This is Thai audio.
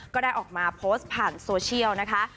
ก็ได้ออกมาโพสต์ผ่านโซเชียลนะคะ